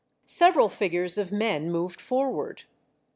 Several figures of men moved forward.